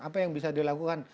apa yang bisa dilakukan